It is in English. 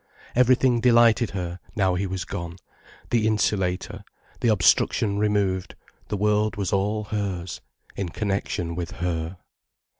Everything delighted her, now he was gone, the insulator, the obstruction removed, the world was all hers, in connection with her.